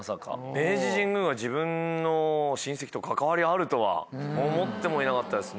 明治神宮が自分の親戚と関わりあるとは思ってもいなかったですね。